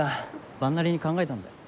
伴なりに考えたんだよ。